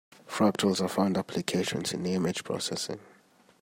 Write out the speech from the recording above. Fractals have found applications in image processing.